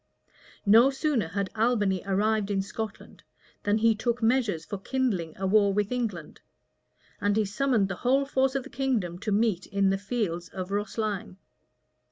No sooner had Albany arrived in Scotland, than he took measures for kindling a war with England; and he summoned the whole force of the kingdom to meet in the fields of Rosline.